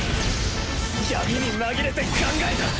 闇に紛れて考えた！